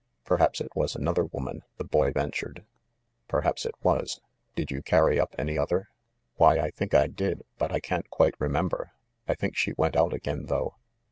"Perhaps it was another woman," the boy ventured. "Perhaps it was. Did you carry up any other?" "Why, I think I did ; but I can't quite remember. I think she went out again, though."